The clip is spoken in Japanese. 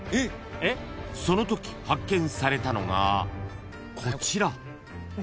［そのとき発見されたのがこちら］